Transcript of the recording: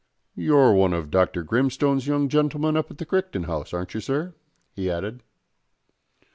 "You're one of Dr. Grimstone's young gentlemen up at Crichton House, aren't you, sir?" he added.